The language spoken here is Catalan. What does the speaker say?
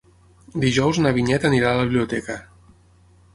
Dijous na Vinyet anirà a la biblioteca.